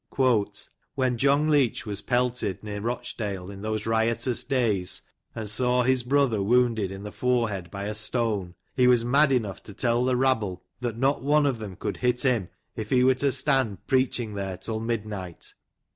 * "When John Leach was pelted, near Eochdale, in those riotous days, and saw his brother wounded in the forehead by a stone, he was mad enough to tell the rabble that not one of them could hit him, if he were to stand preaching there till midnight.